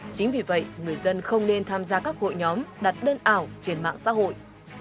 chính vì vậy người dân không nên tham gia các hội nhóm đặt đơn ảo trên mạng xã hội